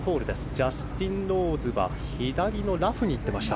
ジャスティン・ローズは左のラフにいきました。